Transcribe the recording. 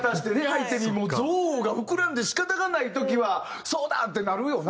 相手に憎悪が膨らんで仕方がない時は「そうだ！」ってなるよな